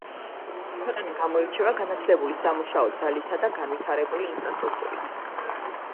ქვეყანა გამოირჩევა განათლებული სამუშაო ძალითა და განვითარებული ინფრასტრუქტურით.